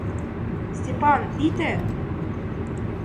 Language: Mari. Степан, ите!..